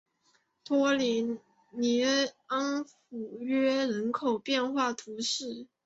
托里尼昂弗约人口变化图示